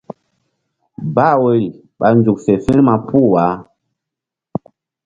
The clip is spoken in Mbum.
Bah woyri ɓa nzuk fe firma puh wah.